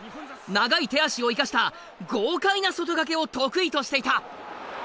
長い手足を生かした豪快な外掛けを得意としていた。